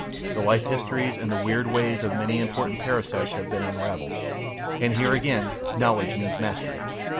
The life histories and the weird ways of many important parasites have been unravelled; and here again knowledge means mastery.